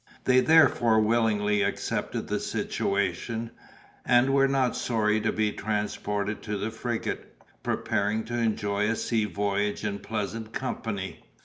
They therefore willingly accepted the situation, and were not sorry to be transported to the frigate, preparing to enjoy a sea voyage in pleasant company.